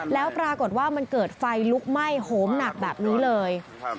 แล้วปรากฏว่ามันเกิดไฟลุกไหม้โหมหนักแบบนี้เลย